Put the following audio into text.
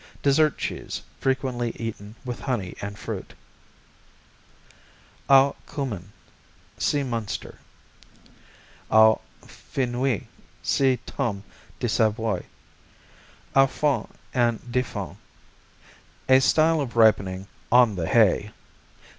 Dessert cheese, frequently eaten with honey and fruit. Au Cumin see Münster. Au Fenouil see Tome de Savoie. Au Foin and de Foin A style of ripening "on the hay."